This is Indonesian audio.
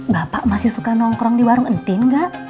bapak masih suka nongkrong di warung entin gak